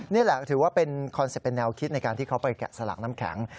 นี่แหละถือว่าเป็นคอนเซ็ปต์เป็นแนวคิดในการที่เขาไปแกะสลักน้ำแข็ง